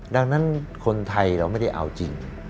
ดังนั้นคนไทยเราไม่ได้เอาจริง